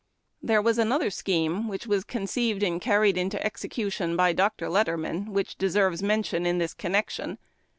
305 There was another scheme, which was conceived and car ried into execution by Dr. Letterman, which deserves men tion in this connection.